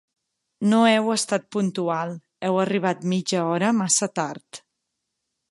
No heu estat puntual: heu arribat mitja hora massa tard.